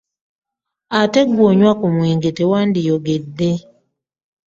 Ate ggwe anywa ku mwenge tewandiyogedde.